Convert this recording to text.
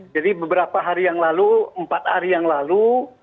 jadi beberapa hari yang lalu empat hari yang lalu